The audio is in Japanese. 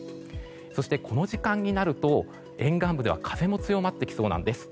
そして、この時間になると沿岸部では風も強まってきそうなんです。